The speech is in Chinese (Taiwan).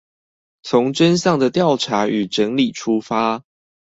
從真相的調查與整理出發